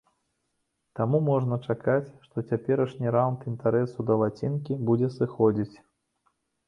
Таму можна чакаць, што цяперашні раўнд інтарэсу да лацінкі будзе сыходзіць.